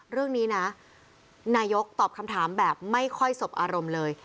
เรื่องนี้นะนายกตอบคำถามแบบไม่ค่อยสบอารมณ์เลย